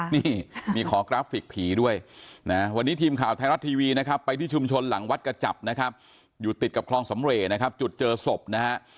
นี่มีขอกราฟิกผีด้วยนะวันนี้ทีมข่าวไทยรัฐทีวีนะครับไปที่ชุมชนหลังวัดกระจับนะครับอยู่ติดกับคลองสำเรย์นะครับจุดเจอศพนะฮะ